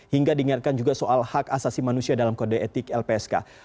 hingga diingatkan juga soal hak asasi manusia dalam kode etik lpsk